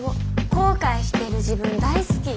後悔してる自分大好きよ